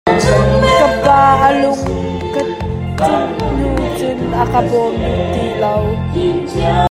Ka pa a lung ka cunh hnu cun a ka bawm duh ti lo.